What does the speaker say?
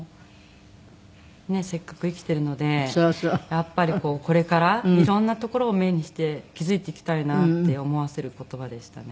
やっぱりこれからいろんなところを目にして気付いていきたいなって思わせる言葉でしたね。